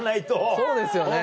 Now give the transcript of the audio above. そうですよね